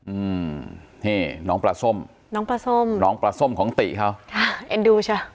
อืมนี่น้องปลาส้มน้องปลาส้มน้องปลาส้มของติเขาค่ะเอ็นดูใช่ไหม